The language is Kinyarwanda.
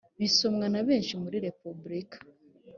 bisomwa na benshi muri repubulika